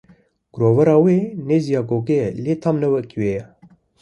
Girovera wê nêzî ya gogê ye, lê tam ne weke wê ye.